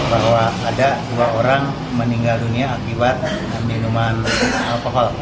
bahwa ada dua orang meninggal dunia akibat minuman alkohol